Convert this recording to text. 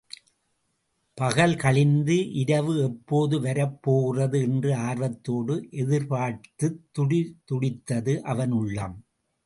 பகல் கழிந்து இரவு எப்போது வரப் போகிறது என்று ஆர்வத்தோடு எதிர்பார்த்துத் துடி துடித்தது அவன் உள்ளம்.